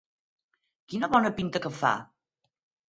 Quina bona pinta que fa,